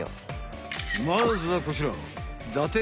まずはこちら。